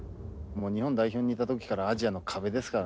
日本代表にいた時からアジアの壁ですからね。